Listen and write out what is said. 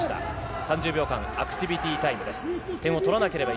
３０秒間のアクティビティタイム。